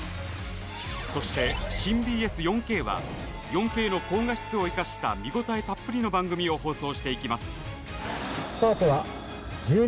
そして、新ＢＳ４Ｋは４Ｋの高画質を生かした見応えたっぷりの番組を放送していきます。